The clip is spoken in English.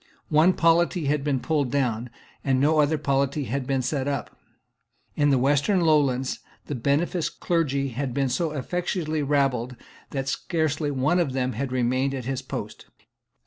One polity had been pulled down; and no other polity had been set up. In the Western Lowlands, the beneficed clergy had been so effectually rabbled, that scarcely one of them had remained at his post.